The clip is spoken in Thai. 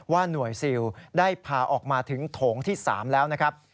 หน่วยซิลได้พาออกมาถึงโถงที่๓แล้วนะครับ